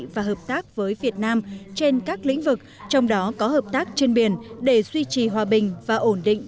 và hợp tác với việt nam trên các lĩnh vực trong đó có hợp tác trên biển để duy trì hòa bình và ổn định